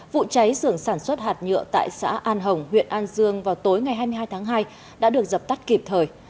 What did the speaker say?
vụ cháy sưởng sản xuất hạt nhựa tại xã an hồng huyện an dương vào tối ngày hai mươi hai tháng hai đã được dập tắt kịp thời